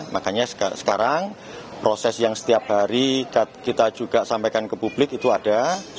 makanya sekarang proses yang setiap hari kita juga sampaikan ke publik itu ada